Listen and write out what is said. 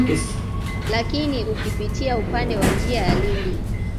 Lakini ukipitia upande wa njia ya Lindi